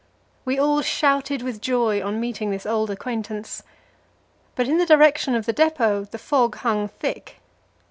We all shouted with joy on meeting this old acquaintance. But in the direction of the depot the fog hung thick.